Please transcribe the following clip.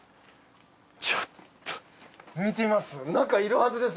ちょっと見てみます？